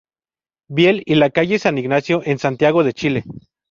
Viel y la calle San Ignacio en Santiago de Chile.